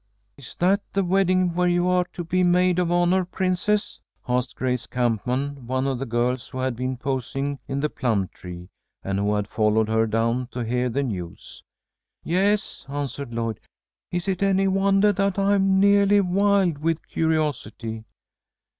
"Is that the wedding where you are to be maid of honor, Princess?" asked Grace Campman, one of the girls who had been posing in the plum tree, and who had followed her down to hear the news. "Yes," answered Lloyd. "Is it any wondah that I'm neahly wild with curiosity?"